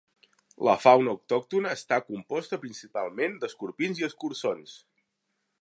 La fauna autòctona està composta principalment d'escorpins i escurçons.